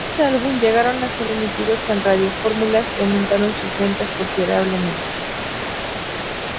Con este álbum llegaron a ser emitidos en radiofórmulas y aumentaron sus ventas considerablemente.